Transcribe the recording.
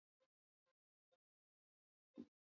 ini ukweli ni kwamba hali ya mitambo hasa